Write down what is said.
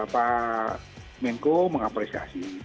pak menko mengapresiasi